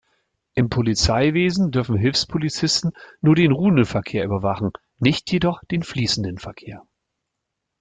Im Polizeiwesen dürfen Hilfspolizisten nur den ruhenden Verkehr überwachen, nicht jedoch den fließenden Verkehr.